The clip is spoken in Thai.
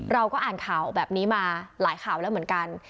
เราก็อ่านข่าวแบบนี้มาหลายข่าวแล้วเหมือนกัน